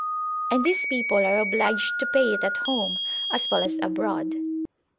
And these people are obliged to pay it at home as well as abroad.